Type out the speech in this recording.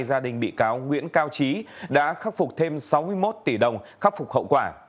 gia đình bị cáo nguyễn cao trí đã khắc phục thêm sáu mươi một tỷ đồng khắc phục hậu quả